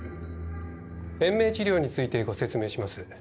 延命治療についてご説明します。